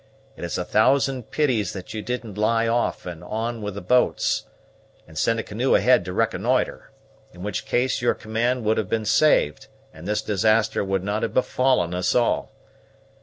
It's a thousand pities that you didn't lie off and on with the boats, and send a canoe ahead to reconnoitre; in which case your command would have been saved, and this disaster would not have befallen us all.